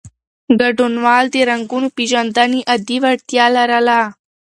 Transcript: ګډونوالو د رنګونو پېژندنې عادي وړتیا لرله.